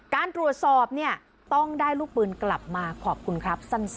การตรวจสอบเนี่ยต้องได้ลูกปืนกลับมาขอบคุณครับสั้น